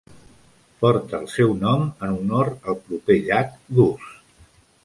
Porta el seu nom en honor al proper llac Goose.